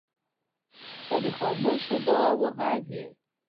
• ته د خاموشو دعاوو غږ یې.